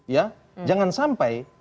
ya jangan sampai